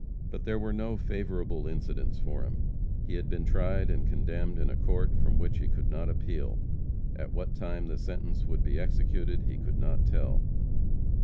But there were no favorable incidents for him. He had been tried and condemned in a court from which he could not appeal. At what time the sentence would be executed he could not tell.